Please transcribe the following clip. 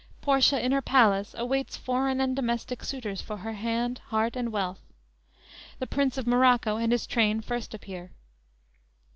Portia in her palace awaits foreign and domestic suitors for her hand, heart and wealth. The Prince of Morocco and his train first appear.